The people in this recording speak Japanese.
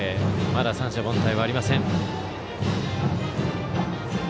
まだ三者凡退はありません。